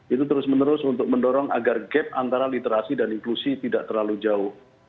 itu terus menerus untuk mendorong agar gap antara literasi dan inklusi tidak terlalu jauh